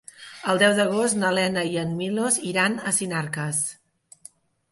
El deu d'agost na Lena i en Milos iran a Sinarques.